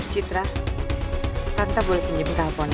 citra tante boleh pinjem teleponnya